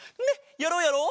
やろうやろう！